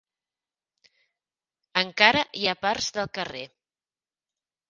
Encara hi ha parts del carrer.